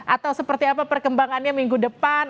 atau seperti apa perkembangannya minggu depan